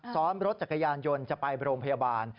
ซ้อนรถจักรยานยนต์จะไปโรงพยาบาล